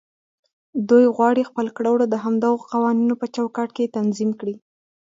دوی غواړي خپل کړه وړه د همدغو قوانينو په چوکاټ کې تنظيم کړي.